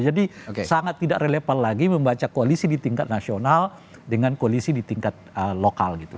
jadi sangat tidak relevan lagi membaca koalisi di tingkat nasional dengan koalisi di tingkat lokal gitu